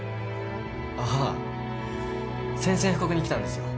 ああ宣戦布告に来たんですよ。